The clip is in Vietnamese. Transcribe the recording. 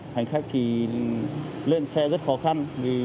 hành khách thì lên xe rất khó khăn